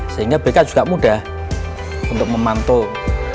sehingga bk juga mudah untuk memantau